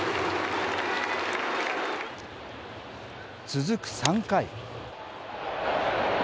続く３回。